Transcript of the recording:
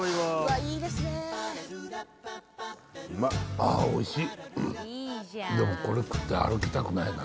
あぁおいしい。